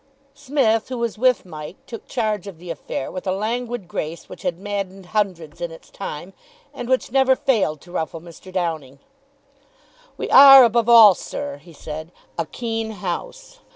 Psmith, who was with Mike, took charge of the affair with a languid grace which had maddened hundreds in its time, and which never failed to ruffle Mr. Downing. "We are, above all, sir," he said, "a keen house.